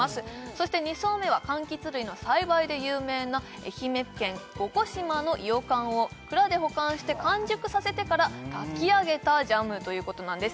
そして２層目はかんきつ類の栽培で有名な愛媛県興居島のいよかんを倉で保管して完熟させてから炊き上げたジャムということなんです